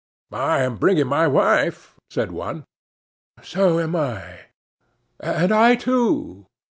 "I am bringing my wife," said one. "So am I." "And I, too."